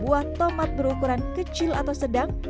buah tomat berukuran kecil atau sedang